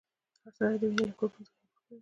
هر سړی د وینې له ګروپونو څخه یو ګروپ لري.